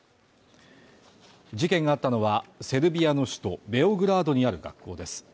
事件があったのは、セルビアの首都ベオグラードにある学校です。